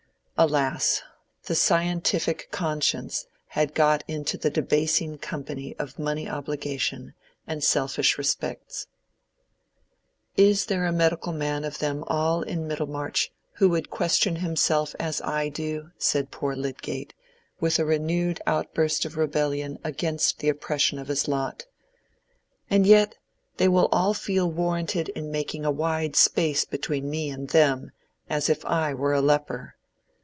Alas! the scientific conscience had got into the debasing company of money obligation and selfish respects. "Is there a medical man of them all in Middlemarch who would question himself as I do?" said poor Lydgate, with a renewed outburst of rebellion against the oppression of his lot. "And yet they will all feel warranted in making a wide space between me and them, as if I were a leper!